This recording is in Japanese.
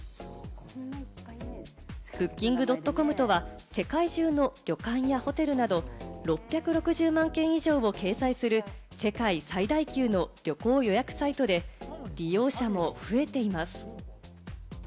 Ｂｏｏｋｉｎｇ．ｃｏｍとは世界中の旅館やホテルなど６６０万件以上を掲載する世界最大級の旅行予約サイトで、利用者も増えています。